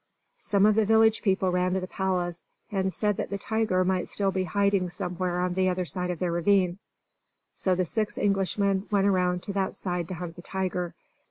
Some of the village people ran to the palace, and said that the tiger might be still hiding somewhere on the other side of the ravine. So the six Englishmen went around to that side to hunt the tiger.